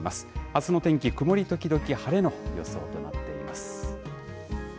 あすの天気、曇り時々晴れの予想となっています。